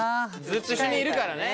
ずっと一緒にいるからね。